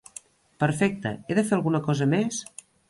Perfecte, he de fer alguna cosa més?